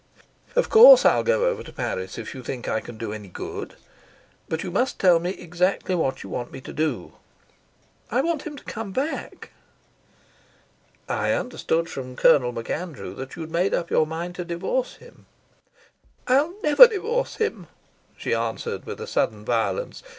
"Of course I'll go over to Paris if you think I can do any good, but you must tell me exactly what you want me to do." "I want him to come back." "I understood from Colonel MacAndrew that you'd made up your mind to divorce him." "I'll never divorce him," she answered with a sudden violence.